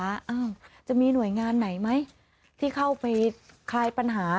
อ้าวจะมีหน่วยงานไหนไหมที่เข้าไปคลายปัญหา